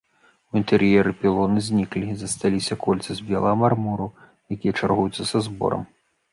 У інтэр'еры пілоны зніклі, засталіся кольцы з белага мармуру, якія чаргуюцца са зборам.